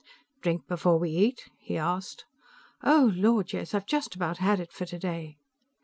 "Drink before we eat?" he asked. "Oh, Lord, yes! I've just about had it for today."